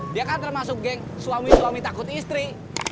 dia kan termasuk geng suami suami takut istri